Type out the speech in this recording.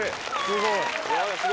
すごい。